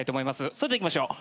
それではいきましょう。